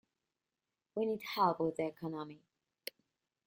We need help with the economy.